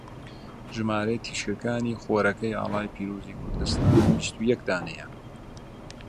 ژمارەی تیشکەکانی خۆرەکەی ئاڵای پیرۆزی کوردستان بیستو یەک دانەیە.